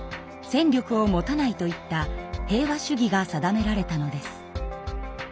戦力を持たないといった平和主義が定められたのです。